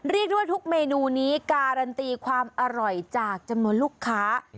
เรียกได้ว่าทุกเมนูนี้การันตีความอร่อยจากจำนวนลูกค้า